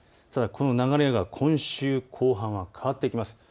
さらにこの流れが、今週後半は変わってきます。